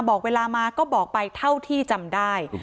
บอกเวลามาก็บอกไปเท่าที่จำได้